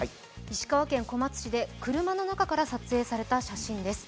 石川県小松市で車の中から撮影された写真です。